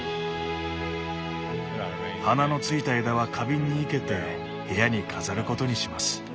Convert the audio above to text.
花のついた枝は花瓶に生けて部屋に飾ることにします。